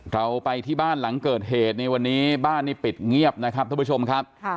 เราไปที่บ้านหลังเกิดเหตุในวันนี้บ้านนี่ปิดเงียบนะครับท่านผู้ชมครับ